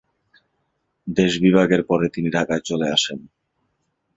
দেশবিভাগের পরে তিনি ঢাকায় চলে আসেন।